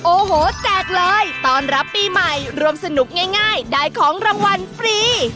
โอ้โหแตกเลยต้อนรับปีใหม่รวมสนุกง่ายได้ของรางวัลฟรี